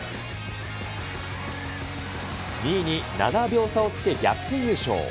２位に７秒差をつけ逆転優勝。